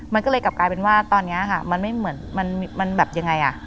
มันก็เลยกลับกลายเป็นว่าตอนนี้ค่ะมันไม่เหมือนมันแบบยังไงอ่ะ